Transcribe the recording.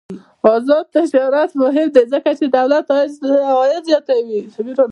آزاد تجارت مهم دی ځکه چې دولت عاید زیاتوي.